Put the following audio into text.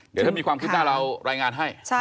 เดี๋ยวถ้ามีความคืบหน้าเรารายงานให้